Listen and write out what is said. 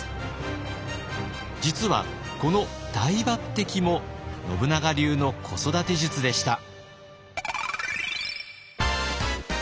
実はこの大抜擢も信長流の子育て術でした。